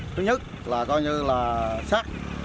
thứ nhất là coi như là sát